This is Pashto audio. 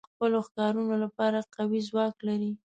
ښکاري د خپلو ښکارونو لپاره قوي ځواک لري.